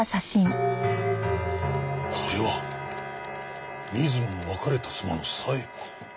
これは水野の別れた妻の冴子。